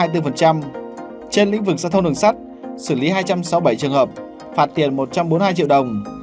trên lĩnh vực giao thông đường sắt xử lý hai trăm sáu mươi bảy trường hợp phạt tiền một trăm bốn mươi hai triệu đồng